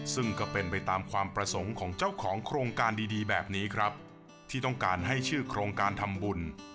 ซึ่งก็เป็นไปตามความประสงค์ของเจ้าของโครงการดีแบบนี้ครับที่ต้องการให้ชื่อโครงการทำบุญ